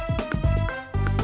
liat gue cabut ya